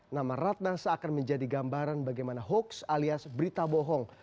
nama ratna seakan menjadi gambaran bagaimana hoax alias berita bohong